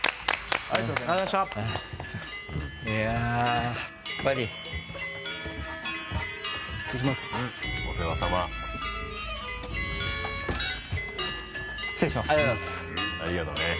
ありがとうございます。